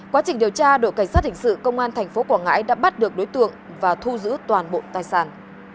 quá trình điều tra đội cảnh sát hình sự công an tp quảng ngãi đã bắt được đối tượng và thu giữ toàn bộ tài sản